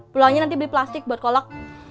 pulangnya nanti beli plastik buat kolek